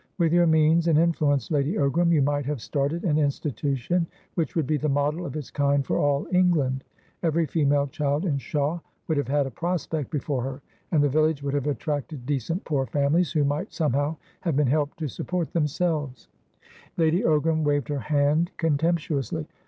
With your means and influence, Lady Ogram, you might have started an institution which would be the model of its kind for all England. Every female child in Shawe would have had a prospect before her, and the village would have attracted decent poor families, who might somehow have been helped to support themselves" Lady Ogram waved her hand contemptuously.